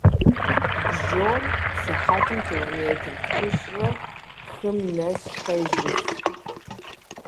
Бжьом сыхьэтым километр тхущӏрэ хым нэс къежыф.